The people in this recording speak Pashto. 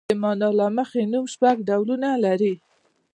د مانا له مخې نوم شپږ ډولونه لري.